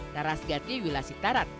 taras gati wilasitarat